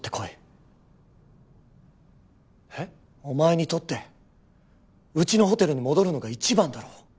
お前にとってうちのホテルに戻るのが一番だろ。